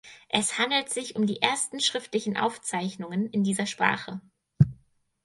Es handelt sich um die ersten schriftlichen Aufzeichnungen in dieser Sprache.